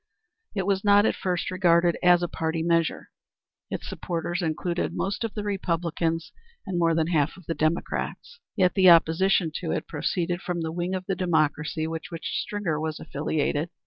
It was not at first regarded as a party measure. Its supporters included most of the Republicans and more than half of the Democrats. Yet the opposition to it proceeded from the wing of the Democracy with which Stringer was affiliated.